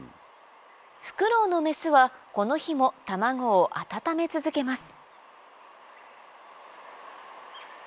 フクロウのメスはこの日も卵を温め続けます